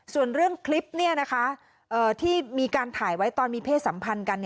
ส่วนเรื่องคลิปที่มีการถ่ายไว้ตอนมีเพศสัมพันธ์กัน